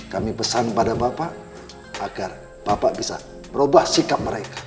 kami pesan pada bapak agar bapak bisa merubah sikap mereka